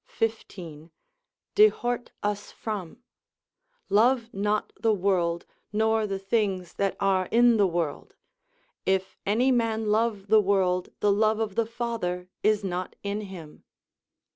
15, dehort us from; love not the world, nor the things that are in the world: if any man love the world, the love of the Father is not in him, 16.